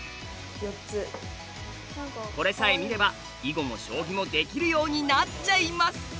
これさえ見れば囲碁も将棋もできるようになっちゃいます！